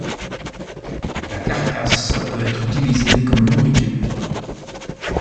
La carcasse peut être utilisée comme nourriture.